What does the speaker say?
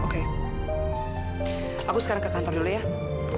oke aku sekarang ke kantor dulu ya